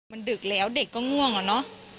มันดึกแล้วเด็กก็ง่วงอะเนาะ